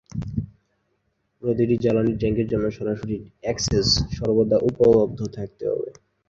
প্রতিটি জ্বালানী ট্যাঙ্কের জন্য, সরাসরি অ্যাক্সেস সর্বদা উপলব্ধ থাকতে হবে।